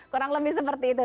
kurang lebih seperti itu